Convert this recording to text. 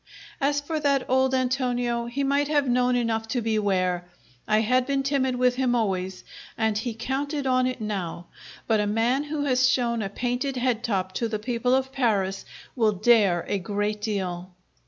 As for that old Antonio, he might have known enough to beware. I had been timid with him always, and he counted on it now, but a man who has shown a painted head top to the people of Paris will dare a great deal.